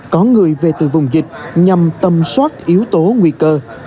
có người về từ vùng dịch nhằm tâm soát yếu tố nguy cơ